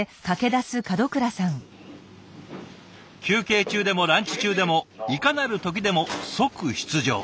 休憩中でもランチ中でもいかなる時でも即出場。